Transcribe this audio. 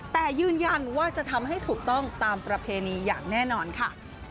แต่ยืนยันว่าจะทำให้ถูกต้องตามประเพณีอย่างแน่นอนค่ะ